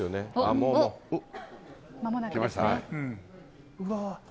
もう。来ましたね。